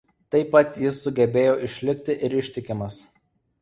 Taip pat jis sugebėjo išlikti ir ištikimas.